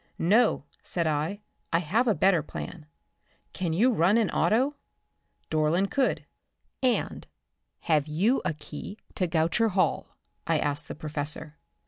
"No," said I. "I have a better plan. Can you run an auto?" Dorland could. "And have you a key to Goucher Hall?" I asked the professor.